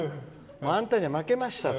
あんたには負けましたと。